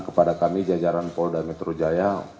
kepada kami jajaran polda metro jaya